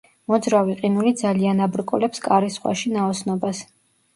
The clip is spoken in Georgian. მოძრავი ყინული ძალიან აბრკოლებს კარის ზღვაში ნაოსნობას.